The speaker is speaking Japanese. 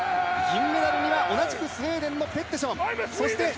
銀メダルには同じくスウェーデンのシモン・ペッテション。